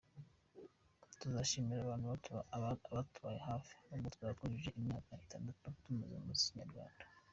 Tuzanashimira abatubaye hafi ubwo tuzaba twujuje imyaka itandatu tumaze mu muziki tudasubira inyuma.